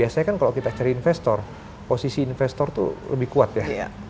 biasanya kan kalau kita cari investor posisi investor tuh lebih kuat ya